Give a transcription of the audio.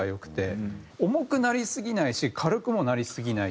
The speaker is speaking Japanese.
重くなりすぎないし軽くもなりすぎない。